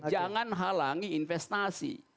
jangan halangi investasi